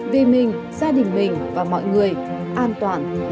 vì mình gia đình mình và mọi người an toàn là trên hết